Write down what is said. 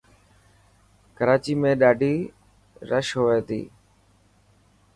ڪراچي ۾ ڏاڌي رش هئي ٿي.